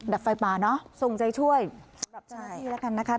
ดับไฟป่าเนอะส่งใจช่วยสำหรับเจ้าหน้าที่แล้วกันนะคะ